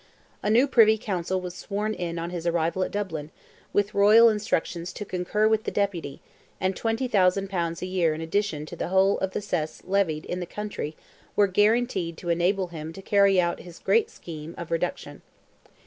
A new Privy Council was sworn in on his arrival at Dublin, with royal instructions "to concur with" the Deputy, and 20,000 pounds a year in addition to the whole of the cess levied in the country were guaranteed to enable him to carry out his great scheme of the "reduction."